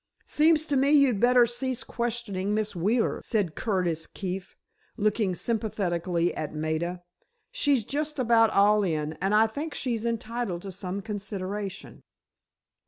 "Seems to me you'd better cease questioning Miss Wheeler," said Curtis Keefe, looking sympathetically at Maida; "she's just about all in, and I think she's entitled to some consideration."